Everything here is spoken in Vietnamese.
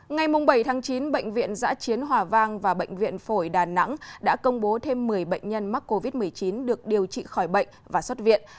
ngày bảy chín bệnh viện giã chiến hòa vang và bệnh viện phổi đà nẵng đã công bố thêm một mươi bệnh nhân mắc covid một mươi chín được điều trị khỏi bệnh và xuất viện